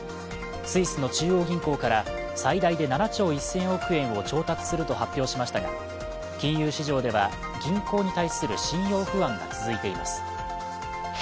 スイスの中央銀行から最大で７兆１０００億円を調達すると発表しましたが金融市場では銀行に対する信用不安が続いています。